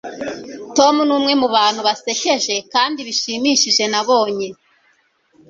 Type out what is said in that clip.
tom numwe mubantu basekeje kandi bishimishije nabonye